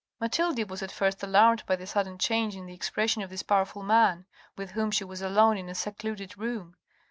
Mathilde was at first alarmed by the sudden change in the expression of this powerful man, with whom she was alone in a secluded room.